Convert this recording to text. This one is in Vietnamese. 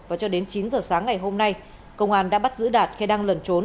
và cho đến chín giờ sáng ngày hôm nay công an đã bắt giữ đạt khi đang lẩn trốn